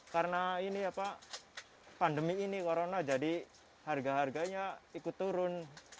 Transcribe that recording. karena ini ya pak pandemi ini corona jadi harga harganya ikut turun